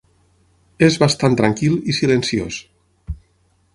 És bastant tranquil i silenciós.